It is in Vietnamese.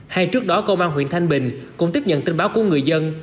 hay trước đó công an tp hcm cũng tiếp nhận tin báo của người dân